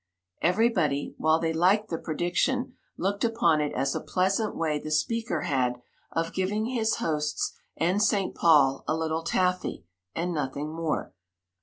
Everybody, while they liked the prediction, looked upon it as a pleasant way the speaker had of giving his hosts and St. Paul a little "taffy," and nothing more.